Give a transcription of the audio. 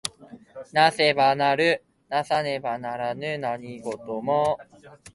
為せば成る為さねば成らぬ何事も。